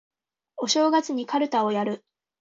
お正月にかるたをやる